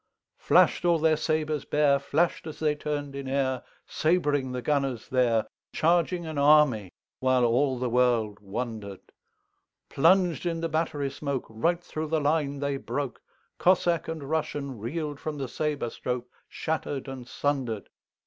Flash'd all their sabres bare, Flash'd as they turn'd in airSabring the gunners there, Charging an army, whileAll the world wonder'd:Plunged in the battery smokeRight thro' the line they broke; Cossack and RussianReel'd from the sabre strokeShatter'd and sunder'd.